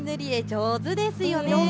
上手ですよね。